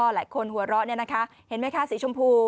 อ้อหลายคนหัวเราะเนี่ยนะคะเห็นไหมคะสีชมพู